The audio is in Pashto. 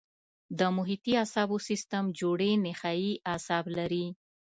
د محیطي اعصابو سیستم جوړې نخاعي اعصاب لري.